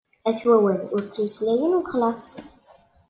At Wawal ur ttmeslayen wexlaṣ.